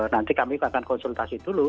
nanti kami akan konsultasi dulu